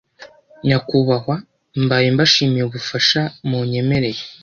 nyakubahwa, mbaye mbashimiye ubufasha munyemereye,